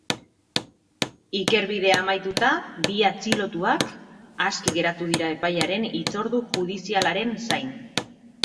Ikerbidea amaituta, bi atxilotuak aske geratu dira epailearen hitzordu judizialaren zain.